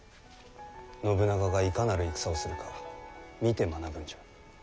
信長がいかなる戦をするか見て学ぶんじゃ。